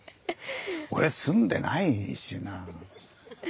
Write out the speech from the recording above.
俺住んでないしな。